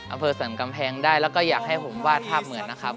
อำเภอสรรกำแพงได้แล้วก็อยากให้ผมวาดภาพเหมือนนะครับ